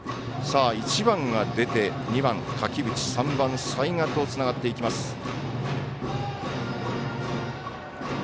１番が出て２番、垣淵３番、齊賀とつながっていきます。